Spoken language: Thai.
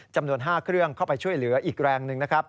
จำนวน๕เครื่องเข้าไปช่วยเหลืออีกแรงหนึ่งนะครับ